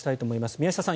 宮下さん